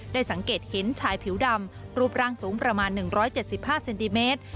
สังเกตเห็นชายผิวดำรูปร่างสูงประมาณ๑๗๕เซนติเมตร